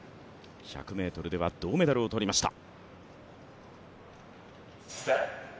１００ｍでは銅メダルを取りました。